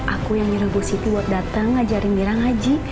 aku yang nyerebus itu buat dateng ngajarin dirang haji